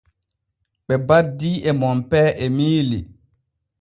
Ɓe baddii e Monpee Emiili.